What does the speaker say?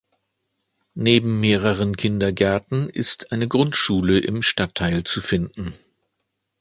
Neben mehreren Kindergärten ist eine Grundschule im Stadtteil zu finden.